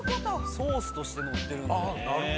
ソースとしてのってる。